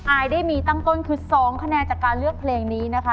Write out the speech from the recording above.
อายได้มีตั้งต้นคือ๒คะแนนจากการเลือกเพลงนี้นะคะ